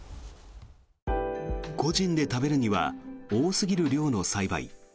個人で食べるには多すぎる量の栽培。